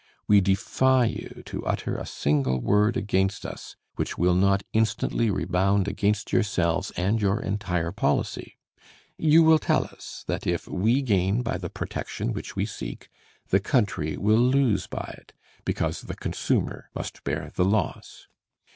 We defy you to utter a single word against us which will not instantly rebound against yourselves and your entire policy. You will tell us that if we gain by the protection which we seek, the country will lose by it, because the consumer must bear the loss.